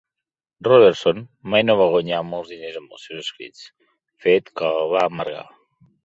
Robertson mai no va guanyar molts diners amb els seus escrits, fet que el va amargar.